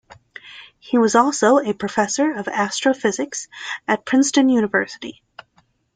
He was also a professor of astrophysics at Princeton University.